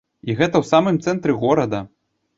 І гэта ў самым цэнтры горада!